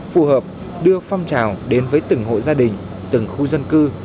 phù hợp đưa phòng trào đến với từng hội gia đình từng khu dân cư